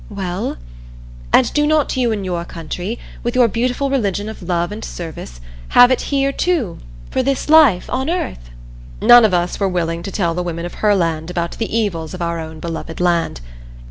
"Well? And do not you in your country, with your beautiful religion of love and service have it here, too for this life on earth?" None of us were willing to tell the women of Herland about the evils of our own beloved land.